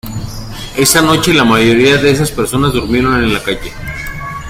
Esa noche, la mayoría de esas personas durmieron en la calle.